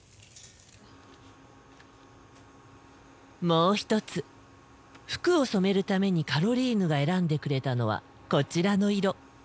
もう一つ服を染めるためにカロリーヌが選んでくれたのはこちらの色。